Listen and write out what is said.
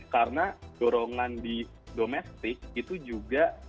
karena dorongan di domestik itu juga